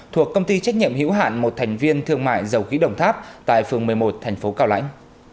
thuộc công ty trách nhiệm hữu hạn một thành viên thương mại dầu khí đồng tháp tại phường một mươi một thành phố cao lãnh